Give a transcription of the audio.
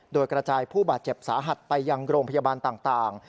โดยกระจายผู้บาดเจ็บสาหัสไปยังโรงพยาบาลต่าง